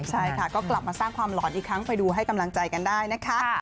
ใช่ค่ะก็กลับมาสร้างความหลอนอีกครั้งไปดูให้กำลังใจกันได้นะคะ